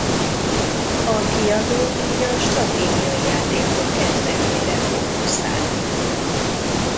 A kiadó így a stratégiai játékok kedvelőire fókuszál.